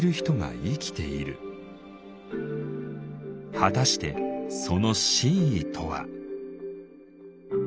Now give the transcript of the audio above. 果たしてその真意とは。